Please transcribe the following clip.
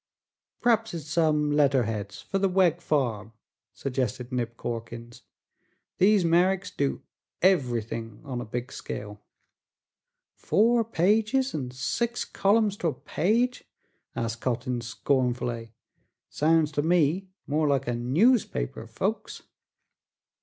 "P'raps it's some letterheads fer the Wegg Farm," suggested Nib Corkins. "These Merricks do everything on a big scale." "Four pages, an' six columns to a page?" asked Cotting scornfully. "Sounds to me more like a newspaper, folks!"